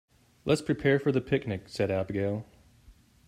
"Let's prepare for the picnic!", said Abigail.